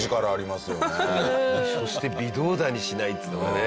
そして微動だにしないっつうのがね。